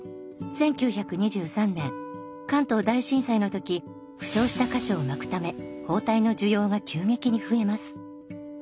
１９２３年関東大震災の時負傷した箇所を巻くため包帯の需要が急激に増えます。